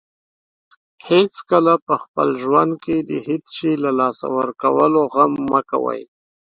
هیڅکله په خپل ژوند کې د هیڅ شی له لاسه ورکولو غم مه کوئ.